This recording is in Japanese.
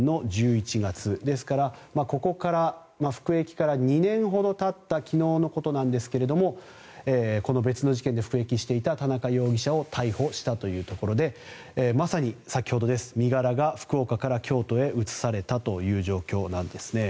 ですから、ここから服役から２年ほどたった昨日のことなんですがこの別の事件で服役していた田中容疑者を逮捕したというところでまさに先ほどです身柄が福岡から京都へ移されたという状況です。